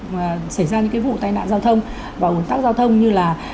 mà xảy ra những cái vụ tai nạn giao thông và ủn tắc giao thông như là